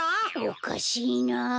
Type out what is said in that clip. おかしいなあ。